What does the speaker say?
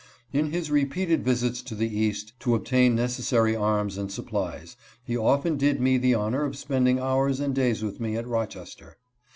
In his repeated visits to the East to obtain necessary arms and supplies, he often did me the honor of spending hours and days with me at Rochester.